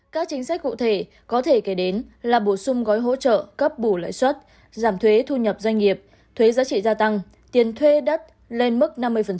các chính sách cụ thể có thể kể đến là bổ sung gói hỗ trợ cấp bù lãi suất giảm thuế thu nhập doanh nghiệp thuế giá trị gia tăng tiền thuê đất lên mức năm mươi